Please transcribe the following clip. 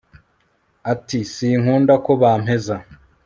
Ati Sinkunda ko bampeza